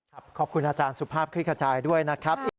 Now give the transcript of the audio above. ขอบคุณอาจารย์สุภาพคลิกขจายด้วยนะครับ